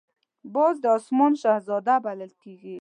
باز د آسمان شهزاده بلل کېږي